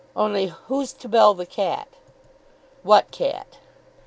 Only, who's to bell the cat?" "What cat?"